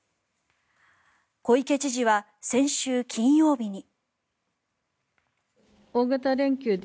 小池知事は先週金曜日に。